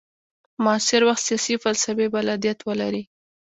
معاصر وخت سیاسي فلسفې بلدتیا ولري.